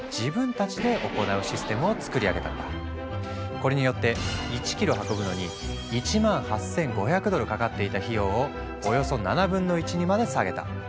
これによって１キロ運ぶのに１万８，５００ドルかかっていた費用をおよそ７分の１にまで下げた。